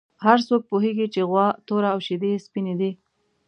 هر څوک پوهېږي چې غوا توره او شیدې یې سپینې دي.